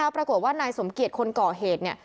ปรากฏว่านายสมเกียจคนก่อเหตุเนี่ย